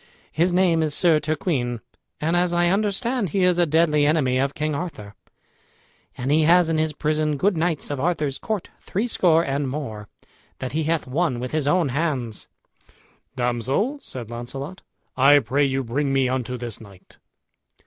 His name is Sir Turquine, and, as I understand, he is a deadly enemy of King Arthur, and he has in his prison good knights of Arthur's court, threescore and more, that he hath won with his own hands." "Damsel," said Launcelot, "I pray you bring me unto this knight."